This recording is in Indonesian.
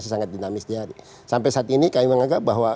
sampai saat ini kami menganggap bahwa